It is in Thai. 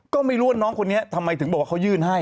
ก็ไม่รู้ว่าน้องคนนี้ทำไมถึงบอกว่าเขายื่นให้